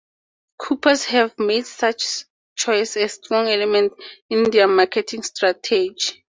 Coopers have made such choice a strong element in their marketing strategy.